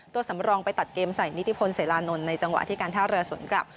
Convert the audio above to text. ตัวสำรองไปตัดเกมใส่นิติพลเสรานนท์ในจังหวะที่การท่าเรือสวนกลับ